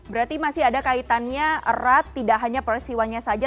berarti masih ada kaitannya erat tidak hanya peristiwanya saja